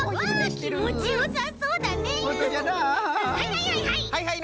はいはいはいはい！